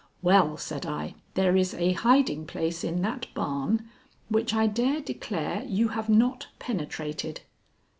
"Well," said I, "there is a hiding place in that barn which I dare declare you have not penetrated."